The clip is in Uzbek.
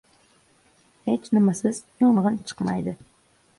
• Hech nimasiz yong‘in chiqmaydi.